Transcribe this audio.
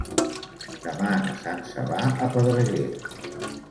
Demà na Sança va a Pedreguer.